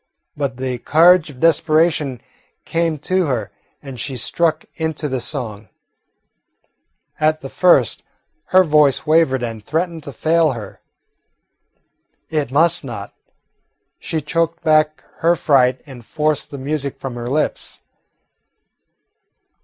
But the courage of desperation came to her, and she struck into the song. At the first her voice wavered and threatened to fail her. It must not. She choked back her fright and forced the music from her lips.